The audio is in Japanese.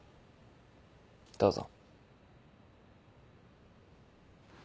どうぞ。